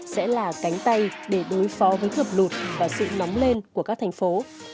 sẽ là cánh tay để đối phó với ngập lụt và sự nóng lên của các thành phố